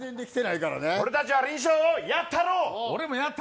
俺たちは輪唱をやったろう！